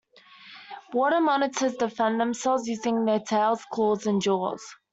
Water monitors defend themselves using their tails, claws, and jaws.